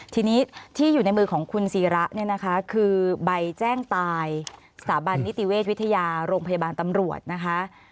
ทีนี้ที่อยู่ในมือของคุณศิระเนี่ยนะคะคือใบแจ้งตายสถาบันนิติเวชวิทยาโรงพยาบาลตำรวจนะคะ